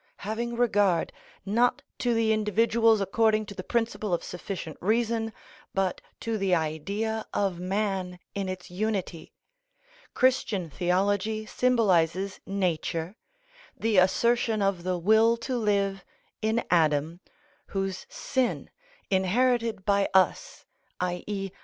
Having regard, not to the individuals according to the principle of sufficient reason, but to the Idea of man in its unity, Christian theology symbolises nature, the assertion of the will to live in Adam, whose sin, inherited by us, _i.e.